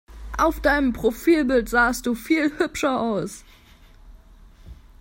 Auf deinem Profilbild sahst du viel hübscher aus!